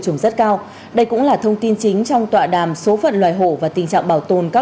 trùng rất cao đây cũng là thông tin chính trong tọa đàm số phận loài hộ và tình trạng bảo tồn các